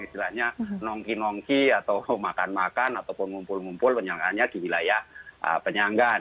istilahnya nongki nongki atau makan makan ataupun mumpul mumpul penyangganya di wilayah penyanggan